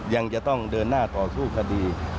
ยังจะต้องเดินหน้าต่อสู้คดี